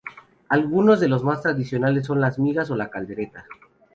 Algunos de los más tradicionales son las migas o la caldereta.